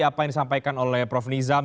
apa yang disampaikan oleh prof nizam